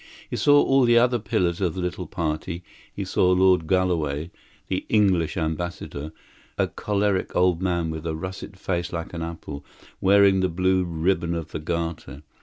He saw all the other pillars of the little party; he saw Lord Galloway, the English Ambassador a choleric old man with a russet face like an apple, wearing the blue ribbon of the Garter.